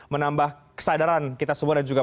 menambah kesadaran kita semua dan juga